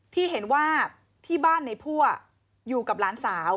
ที่เห็นว่าที่บ้านในพั่วอยู่กับหลานสาว